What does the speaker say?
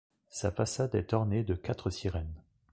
Sa façade est ornée de quatre sirènes.